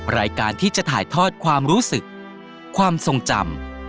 รายการที่จะถ่ายทอดความรู้สึกความทรงจำ